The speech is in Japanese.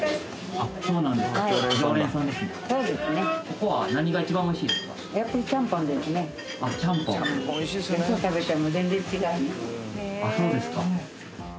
あっそうですか。